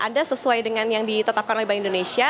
ada sesuai dengan yang ditetapkan oleh bank indonesia